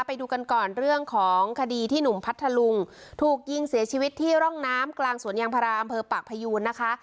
ไปดูกันก่อนเรื่องของคดีที่หนุ่มพัทธลุงถูกยิงเสียชีวิตที่ร่องน้ำกลางสวนยางพาราอำเภอปากพยูนนะคะ